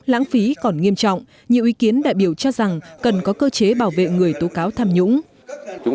lãng phí còn nghiêm trọng nhiều ý kiến đại biểu cho rằng cần có cơ chế bảo vệ người tố cáo tham nhũng